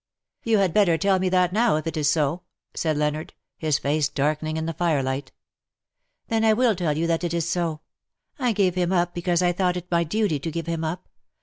^' You had better tell me that now, if it is so/' said Leonard, his face darkening in the firelight. '^ Then I will tell you that it is so. I gave him up because I thought it my duty to give him up.